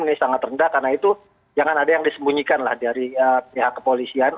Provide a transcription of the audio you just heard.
ini sangat rendah karena itu jangan ada yang disembunyikan lah dari pihak kepolisian